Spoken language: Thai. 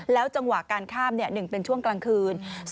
จังหวะการข้าม๑เป็นช่วงกลางคืน